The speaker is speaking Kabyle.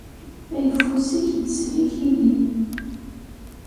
Ayeffus-ik ittsellik-iyi.